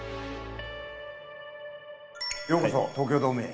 ようこそ東京ドームへ。